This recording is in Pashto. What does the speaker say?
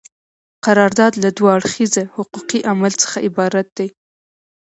قرارداد له دوه اړخیزه حقوقي عمل څخه عبارت دی.